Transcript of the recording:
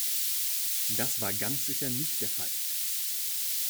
Das war ganz sicher nicht der Fall.